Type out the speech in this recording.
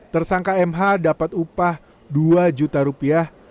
tersangka mh dapat upah dua juta rupiah